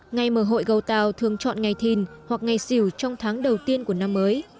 ngày mở hội gầu tàu thường chọn ngày thìn hoặc ngày xỉu trong tháng đầu tiên của năm mới